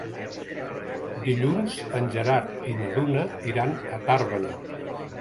Dilluns en Gerard i na Duna iran a Tàrbena.